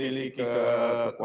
justru ini kan ancaman